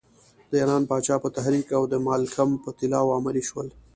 د ایران پاچا په تحریک او د مالکم په طلاوو عملی شول.